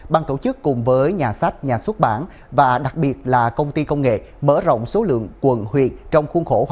ban tổ chức cùng với nhà sách nhà xuất bản và đặc biệt là công ty công nghệ mở rộng số lượng quần huyện